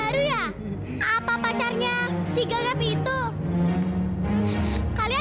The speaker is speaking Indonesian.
roket kamu probek ya